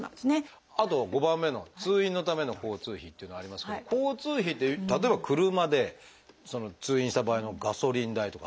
あと５番目の「通院のための交通費」っていうのがありますけど交通費って例えば車で通院した場合のガソリン代とか。